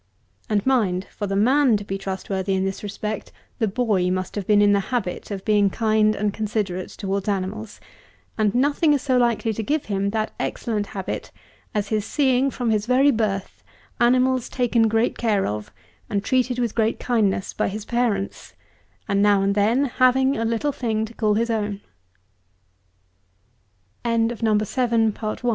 And, mind, for the man to be trust worthy in this respect, the boy must have been in the habit of being kind and considerate towards animals; and nothing is so likely to give him that excellent habit as his seeing, from his very birth, animals taken great care of, and treated with great kindness by his parents, and now and then having a little thing to call his own. RABBITS.